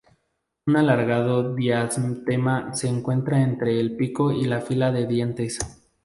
Un alargado diastema se encuentra entre el pico y la fila de dientes.